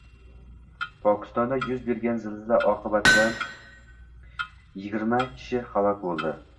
Pokistonda yuz bergan zilzila oqibatidayigirmakishi halok bo‘ldi